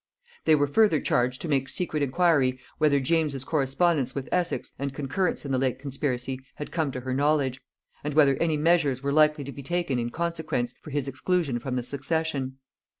They were further charged to make secret inquiry whether James's correspondence with Essex and concurrence in the late conspiracy had come to her knowledge; and whether any measures were likely to be taken in consequence for his exclusion from the succession.